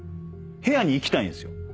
部屋に行きたいんすよ。